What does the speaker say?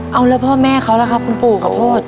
เอาแล้วพ่อแม่เขาล่ะครับคุณปู่ขอโทษ